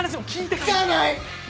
聞かない！